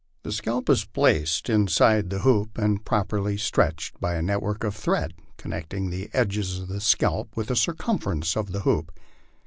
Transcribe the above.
The scalp is placed inside the hoop, and properly stretched by a net work of thread connecting the edges of the scalp with the circumference of the hoop.